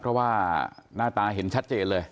เพราะว่าหน้าตาเห็นชัดเจนเลย